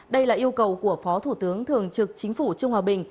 đây là yêu cầu của phó thủ tướng thường trực chính phủ trương hòa bình